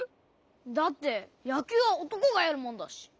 だってやきゅうはおとこがやるもんだし。